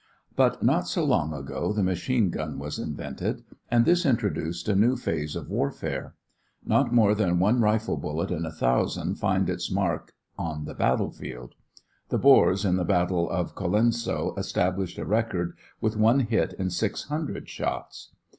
But not so long ago the machine gun was invented, and this introduced a new phase of warfare. Not more than one rifle bullet in a thousand finds its mark on the battle field. The Boers in the battle of Colenso established a record with one hit in six hundred shots.